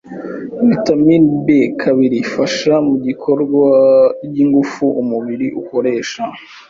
Vitamini B kabiri ifasha mu ikorwa ry’ingufu umubiri ukoresha,